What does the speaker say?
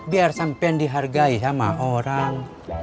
biar sampean dihargai sama orang